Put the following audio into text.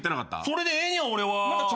それでええんや俺は。